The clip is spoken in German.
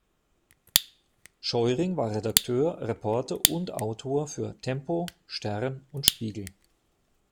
Scheuring war Redakteur, Reporter und Autor für "Tempo", "stern" und "Spiegel".